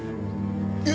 えっ？